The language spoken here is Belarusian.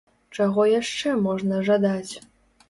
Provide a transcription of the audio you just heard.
Чаго яшчэ можна жадаць?